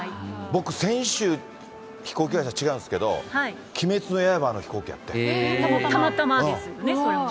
僕、先週、飛行機会社違うんですけど、たまたまですよね、それもね。